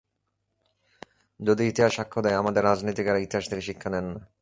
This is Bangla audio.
যদিও ইতিহাস সাক্ষ্য দেয়, আমাদের রাজনীতিকেরা ইতিহাস থেকে শিক্ষা নেন না।